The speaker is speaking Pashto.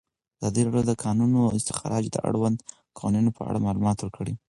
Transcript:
ازادي راډیو د د کانونو استخراج د اړونده قوانینو په اړه معلومات ورکړي.